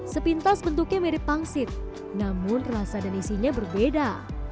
sepintas bentuknya mirip pangsit namun rasa dan isinya berbeda